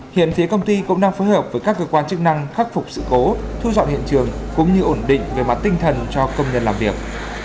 hiện phía công ty cũng đang phối hợp với các cơ quan chức năng khắc phục sự cố thu dọn hiện trường cũng như ổn định về mặt tinh thần cho công nhân làm việc